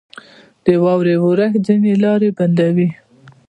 • د واورې اورښت ځینې لارې بندوي.